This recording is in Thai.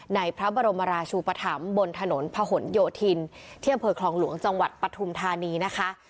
ในพระบรมราชูปธรรมบนถนนพะหนโยธินที่อำเภอคลองหลวงจังหวัดปฐุมธานีนะคะ